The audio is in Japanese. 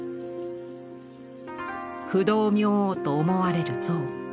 不動明王と思われる像。